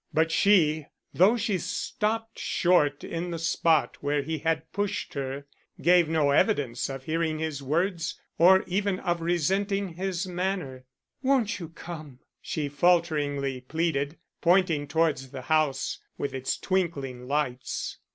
But she, though she stopped short in the spot where he had pushed her, gave no evidence of hearing his words or even of resenting his manner. "Won't you come?" she falteringly pleaded, pointing towards the house with its twinkling lights.